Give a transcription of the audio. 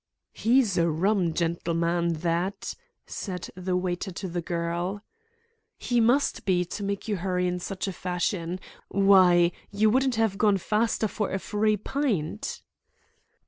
"He's a rum gentleman that," said the waiter to the girl. "He must be, to make you hurry in such fashion. Why, you wouldn't have gone faster for a free pint."